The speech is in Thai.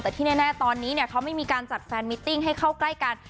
แต่ที่แน่ตอนนี้เขาไม่มีการจัดแฟนมิตติ้งให้เข้าใกล้กัน